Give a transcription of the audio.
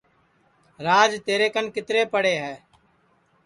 راج تیرے کن کِترے پڑے ہے